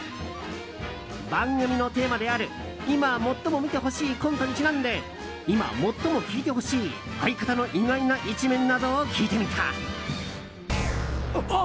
番組のテーマである今、最も見てほしいコントにちなんで今、最も聞いてほしい相方の意外な一面などを聞いてみた。